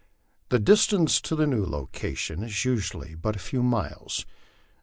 The distance to the new location is usually but a few miles.